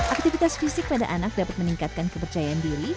aktivitas fisik pada anak dapat meningkatkan kepercayaan diri